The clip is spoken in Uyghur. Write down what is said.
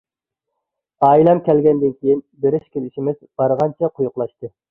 ئائىلەم كەلگەندىن كېيىن بېرىش-كېلىشىمىز بارغانچە قويۇقلاشتى.